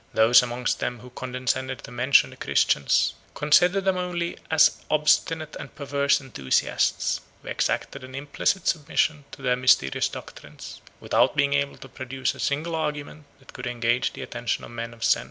Those among them who condescended to mention the Christians, consider them only as obstinate and perverse enthusiasts, who exacted an implicit submission to their mysterious doctrines, without being able to produce a single argument that could engage the attention of men of sense and learning.